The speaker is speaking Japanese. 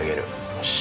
よし！